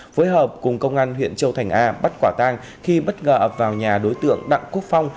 phối hợp cùng công an huyện châu thành a bắt quả tang khi bất ngờ ập vào nhà đối tượng đặng quốc phong